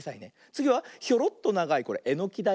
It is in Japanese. つぎはひょろっとながいこれエノキだよ。